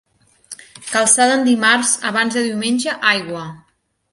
Calçada en dimarts, abans de diumenge, aigua.